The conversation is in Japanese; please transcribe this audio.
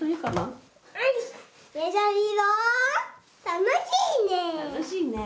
楽しいね。